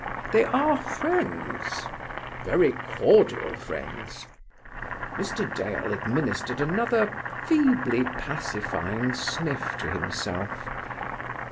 "They are friends?" "Very cordial friends." Mr. Dale administered another feebly pacifying sniff to himself.